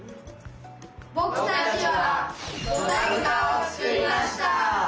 僕たちはドタブカを作りました！